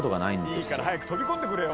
いいから早く飛び込んでくれよ！